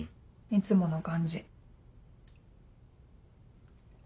いつもの感じ。